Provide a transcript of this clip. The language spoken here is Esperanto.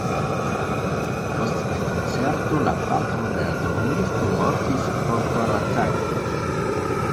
Post la koncerto, la patro de la drumisto mortis pro koratako.